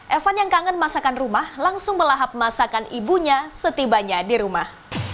evan yang kangen masakan rumah langsung melahap masakan ibunya setibanya di rumah